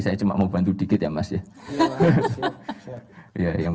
saya cuma mau bantu dikit ya mas ya